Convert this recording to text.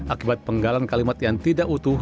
akibat penggalan kalimat yang tidak utuh